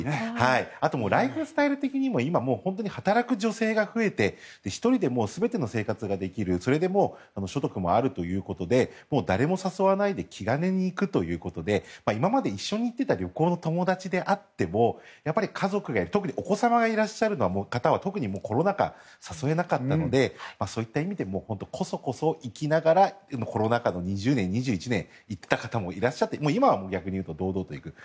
あと、ライフスタイル的にも今、働く女性が増えて１人で全ての生活ができるそれで所得もあるということで誰も誘わないで気軽に行くということで今まで一緒に行っていた旅行の友達であっても家族がいる特にお子様がいらっしゃる方は特にコロナ禍、誘えなかったのでそういった意味でこそこそ行きながらコロナ禍の２０年、２１年行った方もいらっしゃって今は逆に言うと堂々と行く。